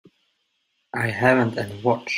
I haven't any watch.